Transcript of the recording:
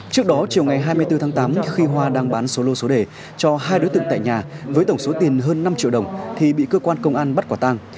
trước đó chiều ngày hai mươi bốn tháng tám khi hoa đang bán số lô số đề cho hai đối tượng tại nhà với tổng số tiền hơn năm triệu đồng thì bị cơ quan công an bắt quả tàng